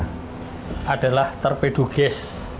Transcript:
ini adalah torpedo case